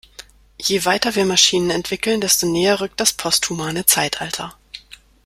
Je weiter wir Maschinen entwickeln, desto näher rückt das posthumane Zeitalter.